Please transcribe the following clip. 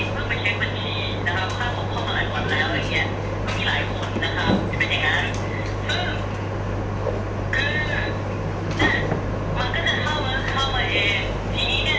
แต่มันไม่ได้เนี่ยผมอยากให้คุณเปลี่ยนทัศนกฏิในการที่เวลาคุณจะไปนั่งเข้าบรรเทียนะครับ